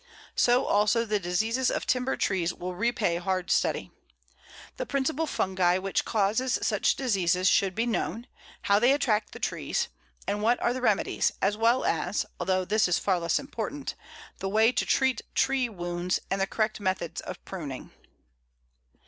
So also the diseases of timber trees will repay hard study. The principal fungi which causes such diseases should be known, how they attack the trees, and what are the remedies, as well as (although this is far less important) the way to treat tree wounds and the correct methods of pruning.